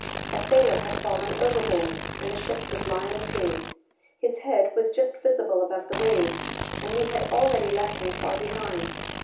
A sailor had fallen overboard, and the ship was lying to. His head was just visible above the waves, and we had already left him far behind.